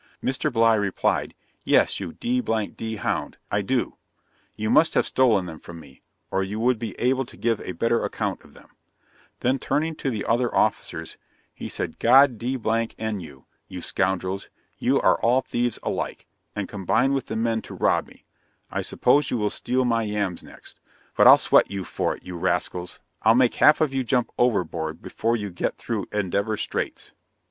Mr. Bligh replied, "Yes, you d d hound, I do you must have stolen them from me, or you would be able to give a better account of them;" then turning to the other officers, he said, "God d n you, you scoundrels, you are all thieves alike, and combine with the men to rob me: I suppose you will steal my yams next; but I'll sweat you for it, you rascals I'll make half of you jump overboard, before you get through Endeavour Straits."